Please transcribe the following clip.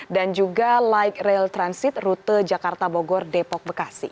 juga light rail transit rute jakarta bogor depok bekasi